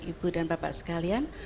ibu dan bapak sekalian